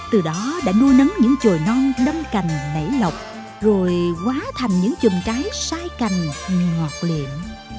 từ đó đã nuôi nấm những trồi non đâm cành nảy lọc rồi hóa thành những chùm trái sai cành ngọt liệm